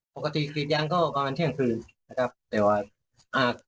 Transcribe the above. ปกติกรีดยางก็ประมาณเที่ยงคืนนะครับแต่ว่าอ่า